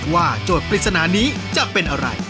โจทย์ปริศนานี้จะเป็นอะไร